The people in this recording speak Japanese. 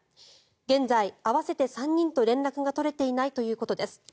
現在、合わせて３人と連絡が取れていないということです。